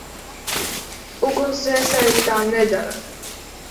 Ugunsdzēsēji tā nedara.